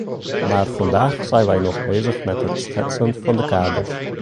Maar vandaag zijn wij nog bezig met het schetsen van de kaders.